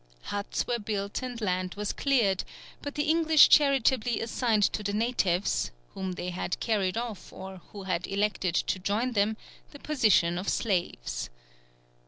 Huts were built and land was cleared; but the English charitably assigned to the natives, whom they had carried off or who had elected to join them, the position of slaves.